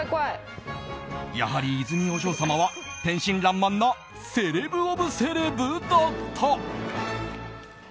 やはり泉お嬢様は天真らんまんなセレブオブセレブだった。